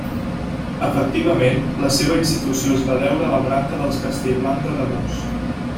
Efectivament, la seva institució es va deure a la branca dels Castellblanc d'Ademús.